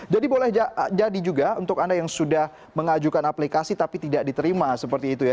jadi boleh jadi juga untuk anda yang sudah mengajukan aplikasi tapi tidak diterima seperti itu ya